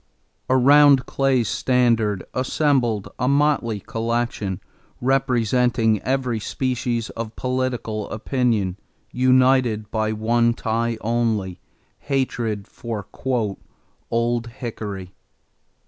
Around Clay's standard assembled a motley collection, representing every species of political opinion, united by one tie only hatred for "Old Hickory."